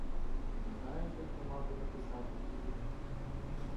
І знаєте, хто мав би написати її?